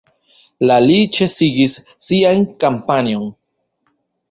La li ĉesigis sian kampanjon.